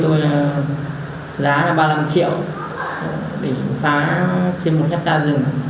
tôi có nhận được ảnh của anh bảo anh bảo kêu có người thuê phá rừng